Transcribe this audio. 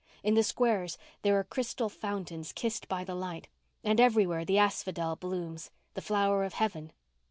In the squares there are crystal fountains kissed by the light, and everywhere the asphodel blooms—the flower of heaven."